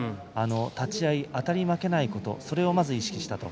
立ち合い、あたり負けないことそれをまず意識した。